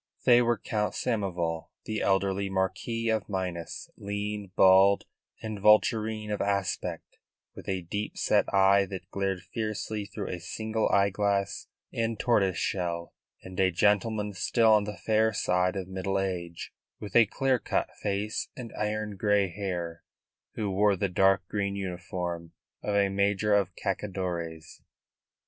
They were Count Samoval, the elderly Marquis of Minas, lean, bald and vulturine of aspect, with a deep set eye that glared fiercely through a single eyeglass rimmed in tortoise shell, and a gentleman still on the fair side of middle age, with a clear cut face and iron grey hair, who wore the dark green uniform of a major of Cacadores.